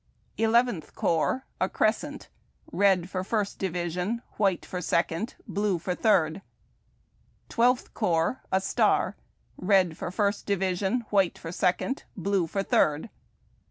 Eleventh Corps — a crescent: red for First Division; while for Second; blue for Third. Twelfth Corps — a star: red for P'irst Division ; white for Second; blue for Third.